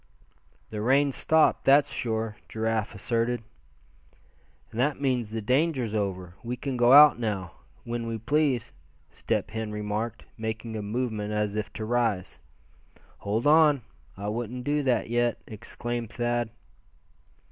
"The rain's stopped, that's sure," Giraffe asserted. "And that means the danger's over. We can go out now, when we please," Step Hen remarked, making a movement as if to rise. "Hold on, I wouldn't do that yet," exclaimed Thad.